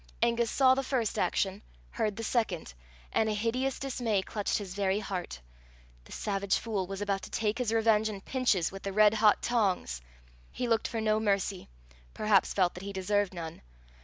Angus saw the first action, heard the second, and a hideous dismay clutched his very heart: the savage fool was about to take his revenge in pinches with the red hot tongs! He looked for no mercy perhaps felt that he deserved none.